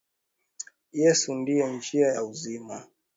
Yesu Ndiye njia ya uzima.